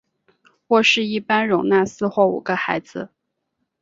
卧室一般容纳四或五个孩子。